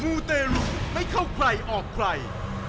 ูเตรุไม่เข้าใครออกใคร